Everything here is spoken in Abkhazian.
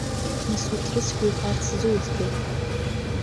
Нас урҭ рыцәгьа уҳәарц зуӡбеи?